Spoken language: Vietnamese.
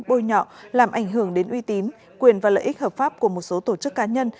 bôi nhọ làm ảnh hưởng đến uy tín quyền và lợi ích hợp pháp của một số tổ chức cá nhân